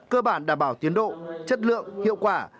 cơ bản đảm bảo tiến độ chất lượng hiệu quả